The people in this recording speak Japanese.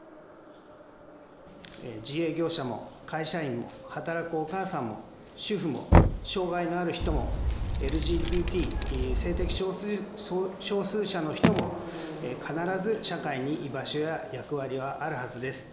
自営業者も会社員も働くお母さんも主婦も、障害のある人もＬＧＢＴ・性的少数者の人も必ず社会に居場所や役割はあるはずです。